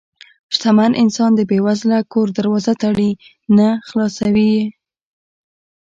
شتمن انسان د بې وزله کور دروازه تړي نه، خلاصوي یې.